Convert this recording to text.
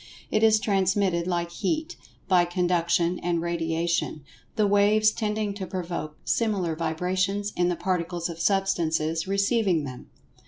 It is transmitted, like Heat, by Conduction and Radiation, the "waves" tending to provoke similar vibrations in the Particles of Substances receiving them.